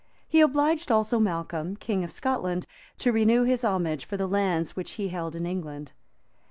He obliged also Malcolm, king of Scotland, to renew his homage for the lands which he held in England.